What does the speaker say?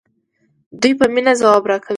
دوی په مینه ځواب راکوي.